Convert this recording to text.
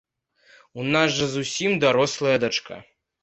У нас жа зусім дарослая дачка.